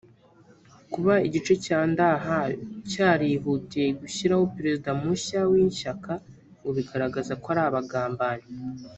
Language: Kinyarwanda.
kuba igice cya Ndahayo cyarihutiye gushyiraho perezida mushya w’ishyaka ngo bigaragaza ko ari abagambanyi